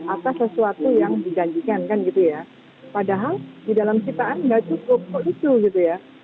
apakah sesuatu yang diganjikan kan gitu ya padahal di dalam citaan nggak cukup kok gitu gitu ya